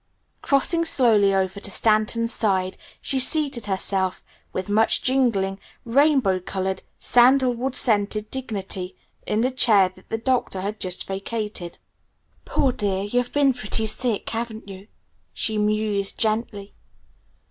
Crossing slowly over to Stanton's side she seated herself, with much jingling, rainbow colored, sandalwood scented dignity, in the chair that the Doctor had just vacated. "Poor dear, you've been pretty sick, haven't you?" she mused gently.